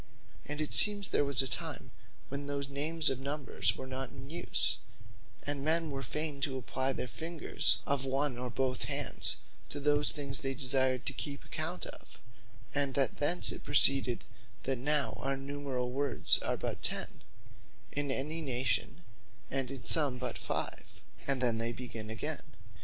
And it seems, there was a time when those names of number were not in use; and men were fayn to apply their fingers of one or both hands, to those things they desired to keep account of; and that thence it proceeded, that now our numerall words are but ten, in any Nation, and in some but five, and then they begin again.